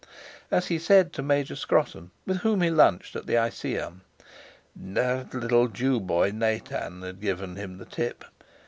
As he said to Major Scrotton, with whom he lunched at the Iseeum: "That little Jew boy, Nathans, had given him the tip.